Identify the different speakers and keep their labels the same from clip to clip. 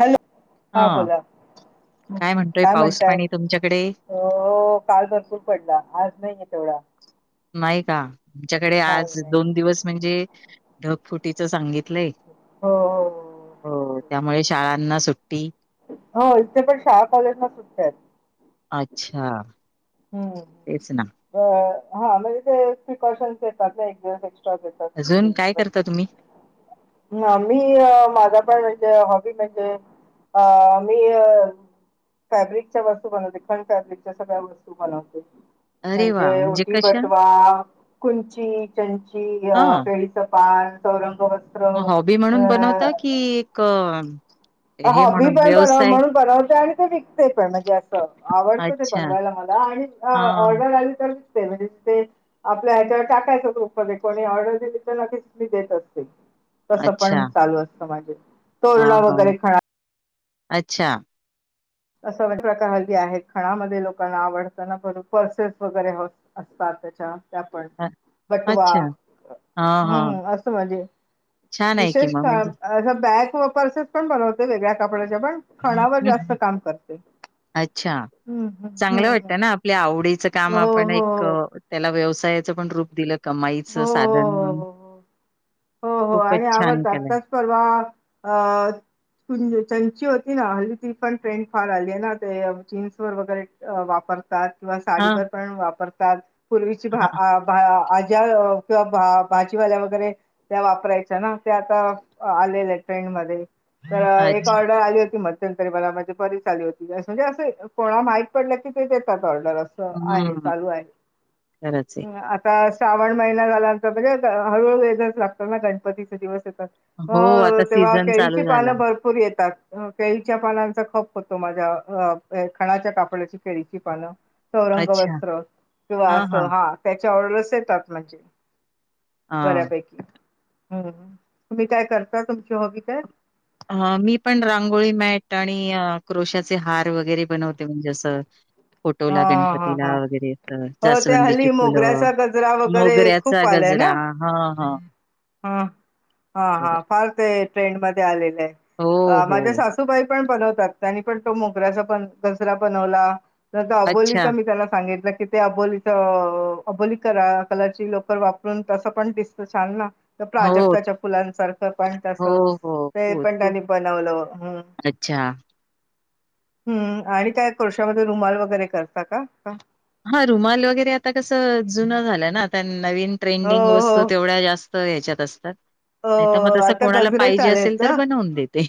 Speaker 1: Hello हा
Speaker 2: हां,
Speaker 1: बोला ह
Speaker 2: म्हणतोय
Speaker 1: काय म्हणताय
Speaker 2: पाऊस-पाणी तुमच्याकडे?
Speaker 1: हो काल भरपूर पडला आज नाहीये तेवढा
Speaker 2: नाही का आुमच्याकडे
Speaker 1: नाही
Speaker 2: आज
Speaker 1: नाही
Speaker 2: दोन दिवस म्हणजे ढगफुटीच सांगितलं
Speaker 1: हो हो
Speaker 2: हो त्यामुळे शाळांना सु
Speaker 1: हो इथे पण शाळा कॉलेजला सुट्टी आहेत.
Speaker 2: अच्छा, तेच ना.
Speaker 1: ह्म हा म्हणजे ते प्रिकॉशन्स येतात दिव.
Speaker 2: अजून काय करता तुम्ही?
Speaker 1: मी माझा पण हॉबी म्हणजे अ मी फॅब्रिकच्या वस्तू बनवते खंड फॅब्रिकच्या सगळ्या वस्तू बनवते.
Speaker 2: अरे वाह!
Speaker 1: म्हणजे उटी
Speaker 2: कशा?
Speaker 1: पटवा कुंची चंची अ
Speaker 2: हां,
Speaker 1: पेळीसपान
Speaker 2: हॉबी म्हणून बनवता की एक हे
Speaker 1: हॉबी
Speaker 2: म्हणून
Speaker 1: पण बन
Speaker 2: व्यवसाय?
Speaker 1: म्हणून बनवते आणि ते विकते पण म्हणजे असं आवडतं ते
Speaker 2: अच्छा.
Speaker 1: बनवायला मला आणि
Speaker 2: हां,
Speaker 1: ऑर्डर आली तर म्हणजे ते आपल्या ह्याच्यावर टाकायचंूपमध्ये कोणी ऑर्डर दिली तर नक्कीच मी देत असते तसं
Speaker 2: अच्छा.
Speaker 1: पण चालू असतं माझे तोरण
Speaker 2: हां, हां.
Speaker 1: वगैरे खणा
Speaker 2: अच्छा
Speaker 1: असा प्रकारली आहे खणामध्ये लोकांना आवडताना पर्सेस वगैरे असतात त्या आपण
Speaker 2: अ,
Speaker 1: बटवा
Speaker 2: अच्छा. हां, हां.
Speaker 1: हम् असं म्हणजे
Speaker 2: छान आहे की
Speaker 1: विशेष
Speaker 2: मग
Speaker 1: का
Speaker 2: म्हणजे.
Speaker 1: असं बॅग पर्सेस पण बनवते वेगळ्या कपड्याच्या पण खणावर
Speaker 2: हं,
Speaker 1: जास्त काम करते.
Speaker 2: अच्छा
Speaker 1: हं, हं,
Speaker 2: चांगलं
Speaker 1: हं,
Speaker 2: वाटत
Speaker 1: हं.
Speaker 2: ना आपल्या आवडीच काम
Speaker 1: हो, हो,
Speaker 2: आपण एक
Speaker 1: हो.
Speaker 2: त्याला व्यवसायाच पण
Speaker 1: हो,
Speaker 2: रूप दिलं. कमाईचं
Speaker 1: हो,
Speaker 2: साधन
Speaker 1: हो, हो, हो. हो हो
Speaker 2: खूपच
Speaker 1: आणि
Speaker 2: छान
Speaker 1: आवडतात
Speaker 2: केलंय.
Speaker 1: तच परवा अ चंची हल्ली तिफ ट्रेंड फार आली आहे ना तेचीन्स वर वगैरे वापर
Speaker 2: हां,
Speaker 1: साडीर पण वापरतात प किंवा
Speaker 2: हां.
Speaker 1: भाजीवाल्या वगैरे त्या वापरायच्या ना ते आता आलेल्या ट्रेंड मध्ये तर एक
Speaker 2: अच्छा.
Speaker 1: ऑर्डर आली होती मग री माझे बरी चाली होती म्हणजे असं कोणाला माहीत पडलं की ते देतात. ड आहे
Speaker 2: हम्म.
Speaker 1: चालू आहे
Speaker 2: खरंच आहे.
Speaker 1: आ श्रावण महिना झाल्यानंतर म्हणजे हळूहळूच लागतात ना गणपती दिवसेत. हो
Speaker 2: आता
Speaker 1: तेव्हा
Speaker 2: सीझन चालू
Speaker 1: केळीची पानं
Speaker 2: झाला.
Speaker 1: भरपूर येतात. केळीच्या पानांचा खप होतो माझ्या खणाच्या कापडची केळीची पानं सौरंग
Speaker 2: अच्छा.
Speaker 1: वस्त्र किंवा
Speaker 2: हां,
Speaker 1: असं
Speaker 2: हां.
Speaker 1: हा त्याच्या ऑर्डरच येतात म्हणजे
Speaker 2: हां.
Speaker 1: बऱ्यापैकी हम्म तुम्ही काय करता तुमची हॉबी काय?
Speaker 2: अ मी पण रांगोळी मॅट आणि क्रोशाचे हार वरे बन म्हणजे
Speaker 1: हा
Speaker 2: फोटोला
Speaker 1: हा
Speaker 2: गणपतीला
Speaker 1: हा
Speaker 2: वगैरे
Speaker 1: हो त्या
Speaker 2: जासवंदीची
Speaker 1: हल्ली
Speaker 2: फुलं
Speaker 1: मोगऱ्याचा गजरा वगैरे
Speaker 2: मोगऱ्याच गज जरा हा हा.
Speaker 1: हम् हा हा फार ते ट्रेंड मध्ये आले.
Speaker 2: हो,
Speaker 1: माझ्या
Speaker 2: हो.
Speaker 1: सासूबाई पण बनतात पण तो बनवला न अबोली
Speaker 2: अच्छा.
Speaker 1: मी त्याला सांगित. कि ते अबोलीच अबोली करा कलरची लोकर वापरून तसं पण दिसतं छान ना.
Speaker 2: हो,
Speaker 1: प्राजक्ताच्या फुलांसारखं पण तसं.
Speaker 2: हो, हो.
Speaker 1: ते पण त्यांनी प नवलं हम्.
Speaker 2: ह.
Speaker 1: हम्म आणि काय कोृशामध्ये रुमाल वगैरे करताात का?
Speaker 2: हा रुमाल वगैरे आता कस जुन झालं ना नवीन
Speaker 1: हो
Speaker 2: ट्रेंडिंग
Speaker 1: हो
Speaker 2: वस्तू तेवढ्या जास्त याच्यात असतात
Speaker 1: हो
Speaker 2: नाही तर मग
Speaker 1: अ,
Speaker 2: तसं
Speaker 1: आता
Speaker 2: कोणाला
Speaker 1: गजरे
Speaker 2: पाहिजे
Speaker 1: चालेत
Speaker 2: असेल तर
Speaker 1: ना.
Speaker 2: बनवून देते.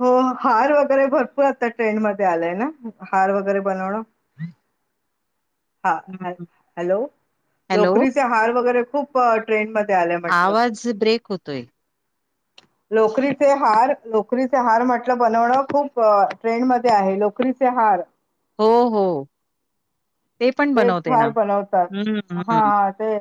Speaker 1: हो हार वगैरे भरपूर आता ट्रेंड मध्ये आलाय ना हार वगैरे बनवण. ह हा
Speaker 2: हं.
Speaker 1: हॅलो
Speaker 2: हॅलो,
Speaker 1: लोकरीचे हार वगैरे खूप ट्रेंन म
Speaker 2: आवाज ब्रेक होतोय.
Speaker 1: लोकरीचे हार लोकरीचे हार म्हटलं बनवणं खूप ट्रेंड मध्ये आहे लोकरीचे हार.
Speaker 2: हो हो ते पण बनवते ना
Speaker 1: फार बनवतात
Speaker 2: हम्म्
Speaker 1: हा
Speaker 2: हम्म हम्म.
Speaker 1: हा ते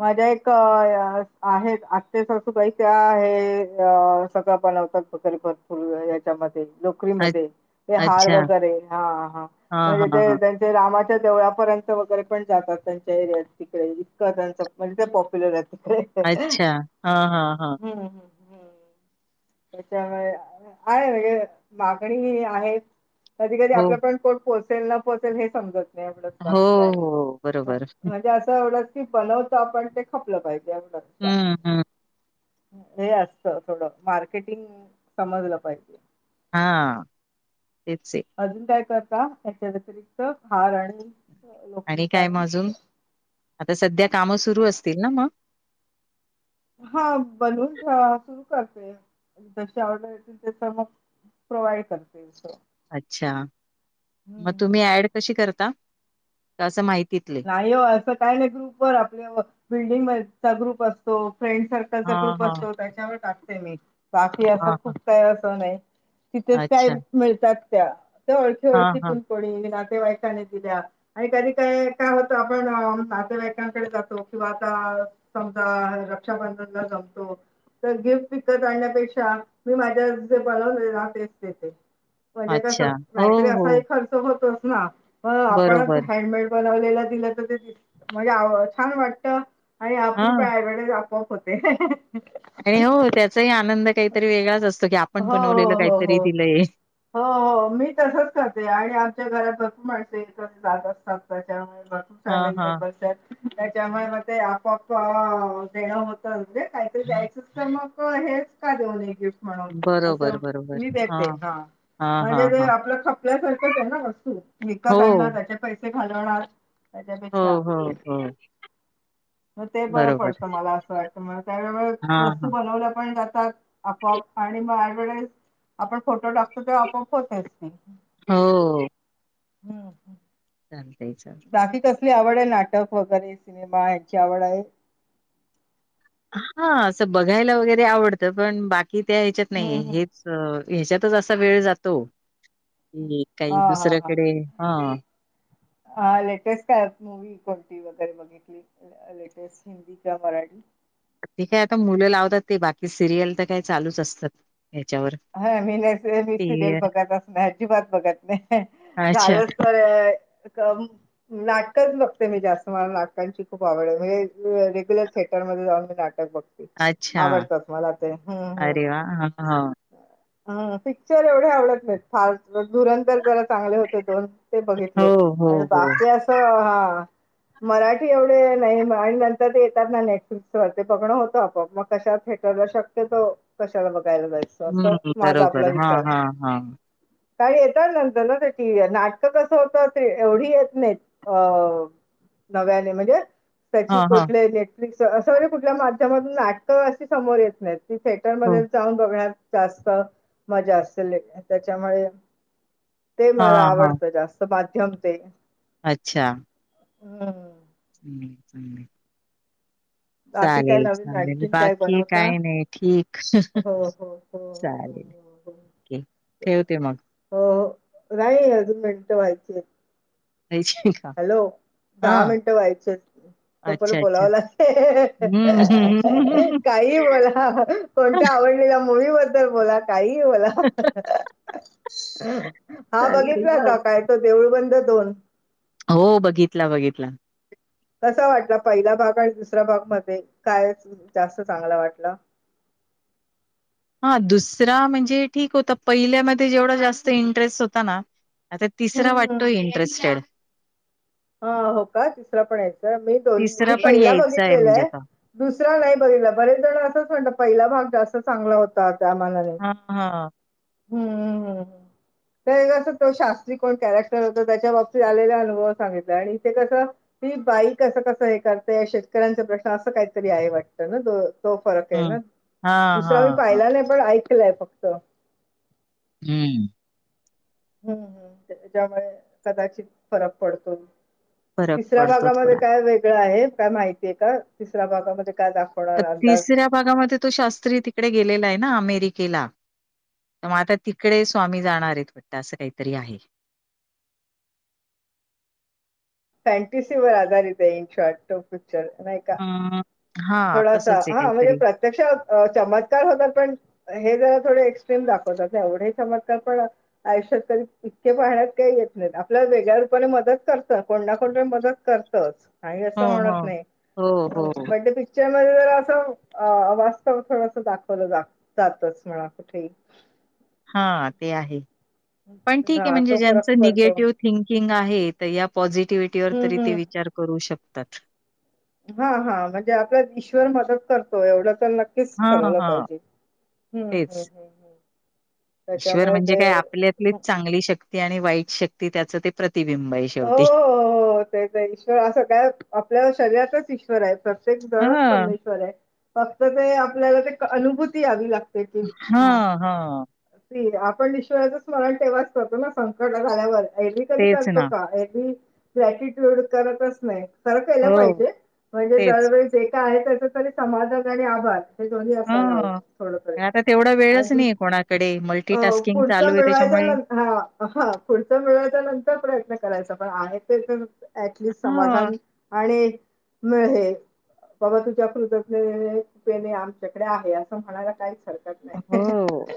Speaker 1: माझ्या एक आहेत आत्ते सासू बाई आहे अ सगळ बनवतात वस्तू याच्यामध्ये नोकरी म
Speaker 2: अ
Speaker 1: ते हार
Speaker 2: अच्छा.
Speaker 1: वगैरे हा ह
Speaker 2: हां,
Speaker 1: म्हणजे
Speaker 2: हां,
Speaker 1: ते
Speaker 2: हां.
Speaker 1: त्यांचे जवळापर्यंत वगैरे पण जातात त्यांच्या एरिया तिकडे इतकं त्यांच म्हणजे ते पॉप्युलर आहेत
Speaker 2: अच्छा. हां, हां, हां.
Speaker 1: हम्म हम्म ह त्याच्यामुळे आहे म्हणजे मागणी आहेत. कधी कधी
Speaker 2: हो,
Speaker 1: आपल्या पण कोण पोहोचेल न पोहचेल हे समजत.
Speaker 2: हो, हो. बरोबर.
Speaker 1: म्हणजे असं एवढ की बनवत आपण ते खपलं पाहिजे. बा
Speaker 2: हम्म हम्.
Speaker 1: हे असत थोडं मार्केटिंग समजलं पाहिजे.
Speaker 2: हा
Speaker 1: अजून काय करता याच्या व्यतिरिक्त हार आणि नोकरीचा
Speaker 2: काय
Speaker 1: आणि
Speaker 2: मग अजून? आता सध्या कामं सुरू असतील ना मग?
Speaker 1: हा बोलून ज ऑर्डर येतील तस मग प्रोवाइड करते. हम्म,
Speaker 2: अच्छा मग तुम्ही
Speaker 1: हम्म.
Speaker 2: ऍड कशी करता तसं माहिती.
Speaker 1: नाही हो असं काय नाही ग्रुप वर आपले बिल्डिंग मचा ग्रुप असतो. फ्रेंड सर्कलचा
Speaker 2: हा
Speaker 1: ग्रुप
Speaker 2: हा
Speaker 1: असतो त्याच्यावर टाकते मी बाकी असं
Speaker 2: हा हा
Speaker 1: खूप काही असं नाही. तिथेच काय
Speaker 2: अच्छा.
Speaker 1: मिळतात त्या त्या ओळखी
Speaker 2: हा हा.
Speaker 1: ओळखीतून कोणी ना ईनी दिल्या आणि कधी काय काय होत आपण नातेवाईकांकडे जातो किंवा आता समजा रक्षाबंधनला तो तर गिफ्ट विकत आणण्यापेक्षा मी माझ्या जे बनवले ना तेच देते म्हणजे कस
Speaker 2: अच्छा हो
Speaker 1: नाही तरी
Speaker 2: हो
Speaker 1: असा खर्च होतोच ना म आपण असं
Speaker 2: बरोबर
Speaker 1: हँडमेड बन वलेल दिल तर ते म्हणजे छान वाटत आणि
Speaker 2: हा
Speaker 1: आपलं [unintelligible] [inaudible] कोक होते
Speaker 2: आणि हो त्याचाही आनंद काहीतरी वेगळाच असतो की आपण
Speaker 1: हो
Speaker 2: बनवलेलं
Speaker 1: हो हो
Speaker 2: काहीतरी
Speaker 1: हो
Speaker 2: दिलंय
Speaker 1: हो हो मी तसच करते आणि आमच्या घरात भरपूर माणसे येत जात असतात त्याच्यामुळे
Speaker 2: हा
Speaker 1: फॅमिली
Speaker 2: हा.
Speaker 1: मेंबर्स आहेत त्याच्यामुळे मग ते आपआप देणं होतं म्हणजे काहीतरी द्यायचं तर मग हे. च का देऊन गिफ्ट म्हणून
Speaker 2: बरोबर
Speaker 1: असं
Speaker 2: बरोबर.
Speaker 1: मी देते हा.
Speaker 2: हा हा
Speaker 1: म्हणजे ते
Speaker 2: हा
Speaker 1: आपलं खपल्यासारखंच आहे ना वस्तू विकत
Speaker 2: हो
Speaker 1: आणणार त्याचे पैसे घालवणार.
Speaker 2: हो
Speaker 1: त्याच्यापेक्षा
Speaker 2: हो ह.
Speaker 1: मग ते बरं पडतं मला असं वाटत म त्यावे
Speaker 2: हा
Speaker 1: वस्तू
Speaker 2: हा.
Speaker 1: बनवल्या पण जात. आपोआप आणि मग डव्हटाज आपण फोटो टाकतो ते आपोआप होतच ते.
Speaker 2: हो.
Speaker 1: हम् ह
Speaker 2: चालतय चालतय.
Speaker 1: बाी कसली आवड आहे नाटक वगैरे सिनेमा यांची आवड आहे.
Speaker 2: हा असं बघायला वगैरे आवडतं पण बाकी त्या ह्याच्यात
Speaker 1: हम्म
Speaker 2: नाही
Speaker 1: हम्म.
Speaker 2: हेच. ह्याच्यातच असा वेळ जातो की काही दुसऱ्याकडे हा
Speaker 1: हा लेटेस्ट क मूवी कोतीव र बघितली लेटेस्ट हिंदी किवा मराठी.
Speaker 2: ते काय आता मुलं लावतात ते बाकी सिरियल तर काही चालूच असतात. ह्याच्यावर
Speaker 1: हा मी नाही मी सिरियल
Speaker 2: ते
Speaker 1: बघत अस नाही अजिबात बघत नाही.
Speaker 2: अच्छा
Speaker 1: झाालच तररे. नाटकच बघते मी जास्त मला नाटकांची खूप आवड म्हणजे रेग्युलर थिएटर जाऊन मी नाटक बघते
Speaker 2: अच्छा
Speaker 1: आवडतात मला ते
Speaker 2: अरे वा हा हा
Speaker 1: ह पिक्चर एवढे आवडत नाहीत फार धुर ज- चांगले होते दोन ते बघितले
Speaker 2: हो हो हो
Speaker 1: बाकीी अस हा- मराठी एवढे नाही आणि नंतर ते येतात ना नेटफ्लिक्स व ते बघण होत आप मग कशात. े श तो कशाला बघायला. अस
Speaker 2: हम्म
Speaker 1: माझा आपला
Speaker 2: बरोबर हा
Speaker 1: विचार.
Speaker 2: हा हा
Speaker 1: काण येतात नंतर ना त्याची नाटकं कसं होतं एवढी येत नाही अ. नव्याने म्हणजे.
Speaker 2: हा
Speaker 1: त्याची
Speaker 2: हा
Speaker 1: कुठले नेटफ्लिक्स असं वगैरे कुठल्या माध्यमातून नाटकं असे समोर येत नाहीत. ती
Speaker 2: हो
Speaker 1: थिएटरमध्येध्ये जाऊन बघण्यात. जास्त मजा असेल त्याच्यामुळे ते
Speaker 2: हा
Speaker 1: मला
Speaker 2: हा
Speaker 1: आवडतं जास्त माध्यम ते
Speaker 2: अच्छा!
Speaker 1: हम्.
Speaker 2: स सांले.
Speaker 1: बाकी काय लावली आणखीन काय
Speaker 2: बाकी
Speaker 1: बनवता
Speaker 2: काही नाही ठीक
Speaker 1: हो हो हो हो
Speaker 2: चालेल
Speaker 1: हो. [inaudible]
Speaker 2: ठेवते मग.
Speaker 1: रा अजून मनट वाच.
Speaker 2: द्यायची का
Speaker 1: हॅलो
Speaker 2: हा
Speaker 1: दहा मिनटं व्हायच. तो पण
Speaker 2: अच्छा अच्छा
Speaker 1: बोलावला
Speaker 2: हम्म हम्म
Speaker 1: काही बोला कोणता. आवडलेल्या मुूवीबद्दल बला काही म हा
Speaker 2: चालेल
Speaker 1: बघितला का काय त ब. दोन.
Speaker 2: हो बघितला बघितला.
Speaker 1: कसा वाटला पहिला भाग आणि दुसऱ्या भाग मध्ये काय जास्त चांगला वाटला.
Speaker 2: हां, दुसरा म्हणजे ठीक होता पहिल्यामध्ये जेवढा जास्त इंटरेस्ट होता ना. आता तिसरा
Speaker 1: हम्म
Speaker 2: वाटतोय इंटरेस्टेड.
Speaker 1: हा हो का तिसरं पण यायचं मी दोन मी
Speaker 2: तिसरा पण
Speaker 1: पहिला
Speaker 2: यायचा आहे म्हणजे
Speaker 1: बघितलेलंय
Speaker 2: आता.
Speaker 1: दुसरा नाही बघला बरेच जण असंच म्हणतात पहिला भाग जास्त चांगला होताात.
Speaker 2: हा हा.
Speaker 1: हम्मम हम्. तर कसं तो शास्त्री कोण कॅरेक्टर होत त्याच्या बाबतीत आलेला अनुभव सांगितला आणि इथे कसं ती. बाई कसं कसं हे करते शेतकऱ्यांचा प्रश्न असं काहीतरी आहे. वाटत ना तो तो फरक आहे ना
Speaker 2: हं. हां,
Speaker 1: दुसरा मी
Speaker 2: हां, हां.
Speaker 1: पाहिला नाही पण ऐकलंय फक्त
Speaker 2: हम्म.
Speaker 1: हम्म हम् ज्यामुळे कदाचित फरक पडतो.
Speaker 2: फरक
Speaker 1: तिसऱ्या
Speaker 2: पडतो
Speaker 1: भागामध्ये
Speaker 2: थोडा.
Speaker 1: काय वेगळं आहे. काय माहितीय का तिसऱ्या भागामध्ये काय दाखवणार अंदाज
Speaker 2: तिसऱ्या भागामध्ये तो शास्त्री तिकडे गेलेला आहे ना अमेरिकेला तर मग आता तिकडे स्वामी जाणार आहेत. वाटत असं काहीतरी आहे.
Speaker 1: ह. फॅनटसी वर आधारित आहे. इन शॉट पिक्चर नाही का
Speaker 2: अं, हां,
Speaker 1: थोडासा
Speaker 2: तसंच आहे
Speaker 1: हा म्हणजे
Speaker 2: काहीतरी.
Speaker 1: प्रत्यक्ष चमत्कार होतात. पण हे जरा थोडे एक्स्ट्रीम दाखवतात एवढे चमत्कार पण आयुष्यात तरी इतके पाहण्यात काही येत. आपल्याला वेगळ्या रूपाने मदत करत कोणणा कोण मदत करतच नाही
Speaker 2: हो,
Speaker 1: असं
Speaker 2: हो.
Speaker 1: म्हणतं नाही
Speaker 2: हो, हो.
Speaker 1: बडडे ज असं वास्तव थोडस दाखवलं जातच म्हणा कुठे
Speaker 2: हा ते आहे पण ठीक आहे
Speaker 1: हा
Speaker 2: म्हणजे
Speaker 1: तो फरक
Speaker 2: ज्यांचं
Speaker 1: पडतो
Speaker 2: निगेटिव्ह थिंकिंग आहे या पॉझिटिव्हटीवर त
Speaker 1: हम्म
Speaker 2: ते
Speaker 1: हम्म
Speaker 2: विचार करू शकतात
Speaker 1: हा हा म्हणजे आपल्या ईश्वर मदत करतो एवढं नक्कीच
Speaker 2: हां,
Speaker 1: ठरवलं
Speaker 2: हां.
Speaker 1: पाहिजे हम्म
Speaker 2: तेच.
Speaker 1: हम्म
Speaker 2: ईश्वर
Speaker 1: त्याच्यामुळे
Speaker 2: म्हणजे काय
Speaker 1: ते
Speaker 2: आपल्यातलीच चांगली शक्ती आणि वाईट शक्ती त्याच ते प्रत
Speaker 1: हो हो हो तेच ईश्वर असं काय आपल्या शरीरातच ईश्वर आहे प्रत एक गणच
Speaker 2: हां,
Speaker 1: परमेश्वर आहे फक्त ते आपल्याला ते अनुभूती यावी लागते की
Speaker 2: हा
Speaker 1: हां,
Speaker 2: हा.
Speaker 1: आपण ईश्वराचं स्मरण तेव्हाच करतो ना संकट झाल्यावर ऐरवी कधी कर
Speaker 2: तेच ना.
Speaker 1: का बी ग्रॅटिट्यूड करतच नाही. खरं केला
Speaker 2: हो,
Speaker 1: पाहिजे म्हणजे
Speaker 2: तेच.
Speaker 1: दरवेळीस जे काय आहे त्याच तरी समाधान आणि आभार हे दोन्ही असायला हवं
Speaker 2: हां.
Speaker 1: थोडक
Speaker 2: पण आता तेवढा वेळच
Speaker 1: आणि
Speaker 2: नाहीये कोणाकडे. मल्टीटास्किंग चालू
Speaker 1: पुढचं
Speaker 2: आहे त्याच्यामुळे
Speaker 1: मिळवायचं हा पुढचं मिळच्या नंतर प्रयत्न करा तसं पण आहे तर ऍटलिस्ट समाधान
Speaker 2: हां.
Speaker 1: आणि मोह बाबा तुझ्या कृतज्ञ कृपेने आमच्याकडे आहे असं म्हणायला काहीच हरकत
Speaker 2: हो
Speaker 1: नाही.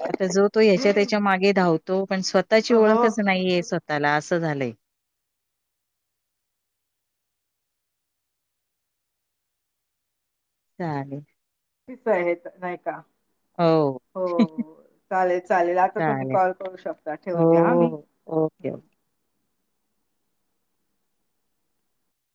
Speaker 2: आता जो तो ह्याच्या त्याच्या मागे धावतो पण स्वतः स्वतःची
Speaker 1: हो
Speaker 2: ओळखच नाहीये स्वतःला असं झालंय चालेल.
Speaker 1: आहेत नाही का?
Speaker 2: हो.
Speaker 1: चालेल चालेल आता तुम्ही
Speaker 2: चालेल.
Speaker 1: कॉल करू शकता ठेवते हा मी
Speaker 2: हो, ओके
Speaker 1: हम्म.
Speaker 2: ओके.